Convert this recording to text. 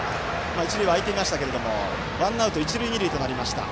一塁は空いていましたけどワンアウト、一塁二塁となりました。